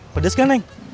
pedas gak neng